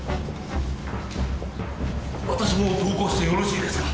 わたしも同行してよろしいですか？